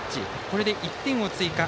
これで１点を追加。